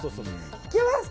行きます。